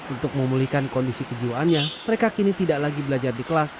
untuk memulihkan kondisi kejiwaannya mereka kini tidak lagi belajar di kelas